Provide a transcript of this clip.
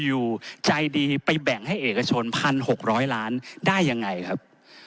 อยู่ใจดีไปแบ่งให้เอกชน๑๖๐๐ล้านได้ยังไงครับ